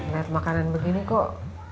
niat makanan begini kok